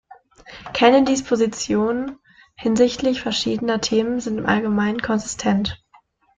Kennedys Positionen hinsichtlich verschiedener Themen sind im Allgemeinen konsistent.